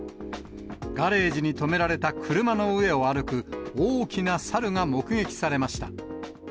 ガレージに止められた車の上を歩く大きな猿が目撃されました。